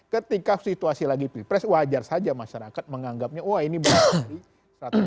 ketika situasi lagi pilpres wajar saja masyarakat menganggapnya wah ini berat